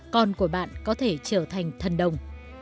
con của bạn có thể trở thành thần đầu